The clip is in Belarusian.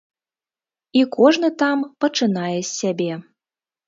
І кожны там пачынае з сябе.